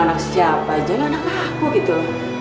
anak siapa aja yang anak laku gitu